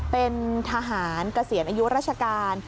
เป็นทหารเกษียณอายุราชการ